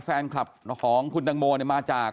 แฟนคลับของคุณตังโมมาจาก